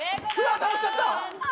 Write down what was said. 倒しちゃった。